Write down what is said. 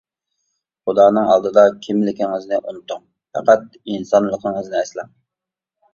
خۇدانىڭ ئالدىدا كىملىكىڭىزنى ئۇنتۇڭ، پەقەت ئىنسانلىقىڭىزنى ئەسلەڭ.